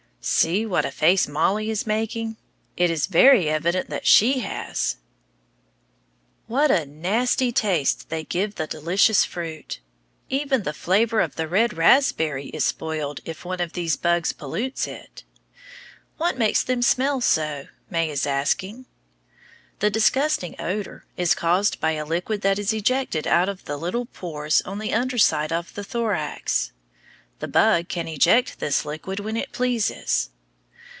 See what a face Mollie is making! It is very evident that she has. [Illustration: RED RASPBERRY.] What a nasty taste they give the delicious fruit. Even the flavor of the red raspberry is spoiled if one of these bugs pollutes it. What makes them smell so? May is asking. The disgusting odor is caused by a liquid that is ejected out of little pores on the under side of the thorax. The bug can eject this liquid when it pleases.